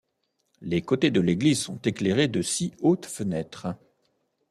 Les côtés de l'église sont éclairés de six hautes fenêtres.